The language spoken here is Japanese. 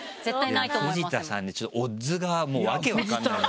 藤田さんでちょっとオッズがもう訳分かんなく。